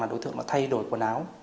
là đối tượng đã thay đổi quần áo